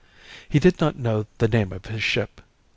"He did not know the name of his ship.